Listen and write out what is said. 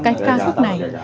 cái ca khúc này